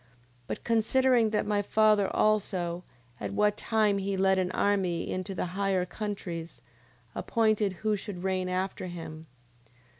9:23. But considering that my father also, at what time he led an army into the higher countries, appointed who should reign after him: 9:24.